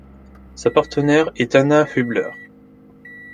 Sa partenaire est Anna Hübler.